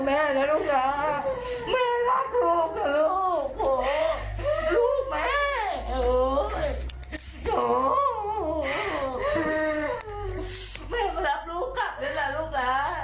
แม่มารับลูกกลับเลยล่ะลูกล้า